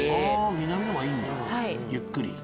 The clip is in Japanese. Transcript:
南のほうがいいんだゆっくり。